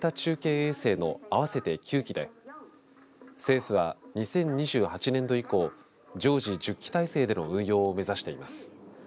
衛星の合わせて９機で政府は２０２８年度以降常時１０機体制での運用を目指しています。